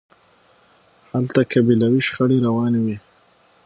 هلته قبیلوي شخړې روانې وي.